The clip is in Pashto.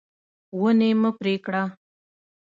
ونې مه پرې کړه.